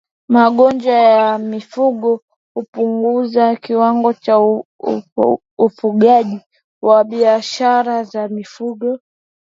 Magonjwa ya mifugo hupunguza kiwango cha ufugaji na biashara za mifugo